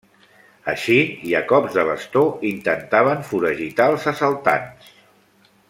Així, i a cops de bastó, intentaven foragitar els assaltants.